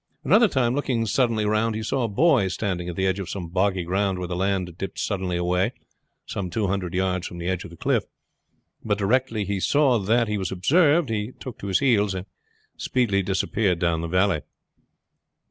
Another time, looking suddenly round, he saw a boy standing at the edge of some boggy ground where the land dipped suddenly away some two hundred yards from the edge of the cliff; but directly he saw that he was observed he took to his heels, and speedily disappeared down the valley.